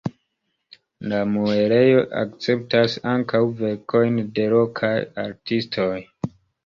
La muelejo akceptas ankaŭ verkojn de lokaj artistoj.